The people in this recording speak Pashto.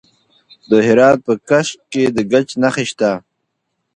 د هرات په کشک کې د ګچ نښې شته.